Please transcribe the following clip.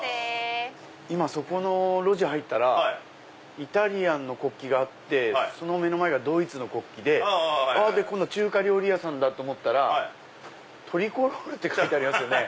今そこの路地入ったらイタリアの国旗があってその目の前がドイツの国旗で今度中華料理屋さんだと思ったらとりこロールって書いてありますよね。